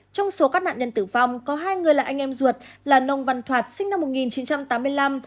trong số các nạn nhân tử vong có hai người là anh em ruột là nông văn thoạt sinh năm một nghìn chín trăm tám mươi năm